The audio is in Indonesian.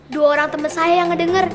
dua orang teman saya yang ngedenger